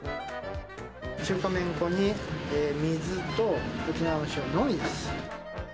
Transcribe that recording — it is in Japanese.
中華麺粉に水と沖縄の塩のみです。